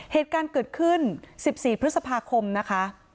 เหตุการณ์เกิดขึ้น๑๔พฤษภาคมนะคะ